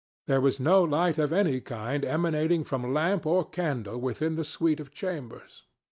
There was no light of any kind emanating from lamp or candle within the suite of chambers.